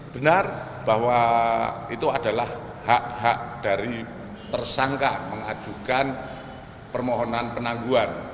benar bahwa itu adalah hak hak dari tersangka mengajukan permohonan penangguhan